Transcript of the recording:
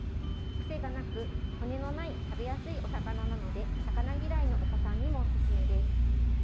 癖がなく、骨のない食べやすいお魚なので魚嫌いのお子さんにもおすすめです。